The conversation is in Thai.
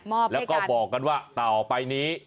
มอบให้กันแล้วก็บอกกันว่าต่อไปนี้